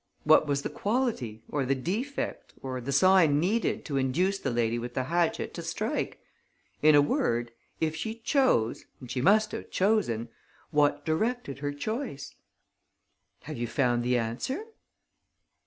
What was the quality, or the defect, or the sign needed to induce the lady with the hatchet to strike? In a word, if she chose and she must have chosen what directed her choice?" "Have you found the answer?"